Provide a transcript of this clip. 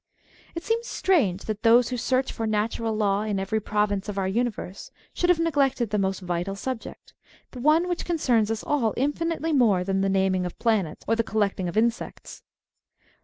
It seems strange that those who search for natural law in every province of our universe should have neglected the most vital subject, the one which con cerns us all infinitely more than the naming of planets or the collecting of insects.